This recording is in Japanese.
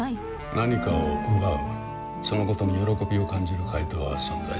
何かを奪うそのことに喜びを感じる怪盗は存在する。